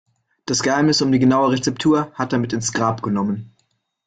Das Geheimnis um die genaue Rezeptur hat er mit ins Grab genommen.